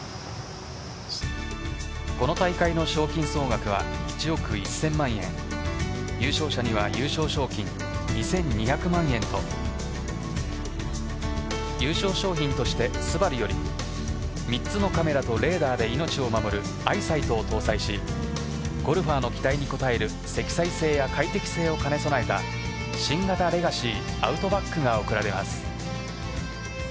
この大会の賞金総額は１億１０００万円優勝者には優勝賞金２２００万円と優勝賞品としてＳＵＢＡＲＵより３つのカメラとレーダーでいのちを守るアイサイトを搭載しゴルファーの期待に応える積載性や快適性を兼ね備えた新型レガシィアウトバックが贈られます。